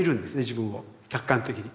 自分を客観的に。